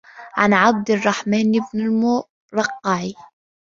عَنْ عَبْدِ الرَّحْمَنِ بْنِ الْمُرَقَّعِ